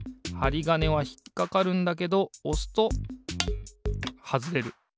はりがねはひっかかるんだけどおすとはずれる。